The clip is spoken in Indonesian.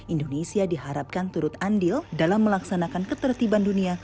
indonesia diharapkan turut andil dalam melaksanakan ketertiban dunia